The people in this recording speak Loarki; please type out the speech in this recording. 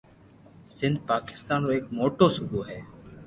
سندھ پاڪستان رو ايڪ موٽو صوبو ھي